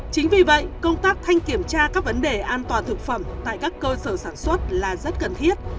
chính vì vậy công tác thanh kiểm tra các vấn đề an toàn thực phẩm tại các cơ sở sản xuất là rất cần thiết